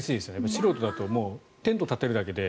素人だとテント立てるだけで。